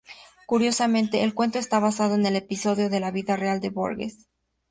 Curiosamente, el cuento está basado en un episodio de la vida real de Borges.